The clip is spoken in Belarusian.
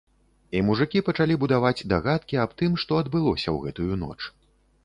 І мужыкі пачалі будаваць дагадкі аб тым, што адбылося ў гэтую ноч.